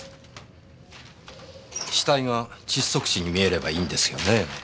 死体が窒息死に見えればいいんですよね？